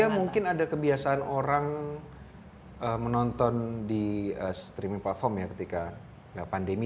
ya mungkin ada kebiasaan orang menonton di streaming platform ya ketika pandemi